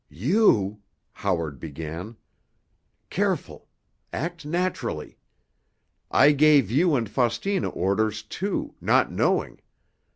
"You——" Howard began. "Careful—act naturally! I gave you and Faustina orders, too, not knowing.